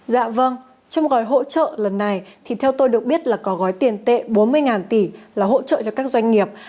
dạ vâng trong gói hỗ trợ lần này thì theo tôi được biết là có gói tiền tệ bốn mươi tỷ là hỗ trợ cho các doanh nghiệp